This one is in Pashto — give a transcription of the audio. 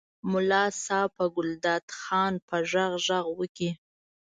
ملا صاحب په ګلداد خان په غږ غږ وکړ.